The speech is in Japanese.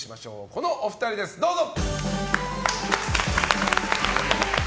このお二人です、どうぞ！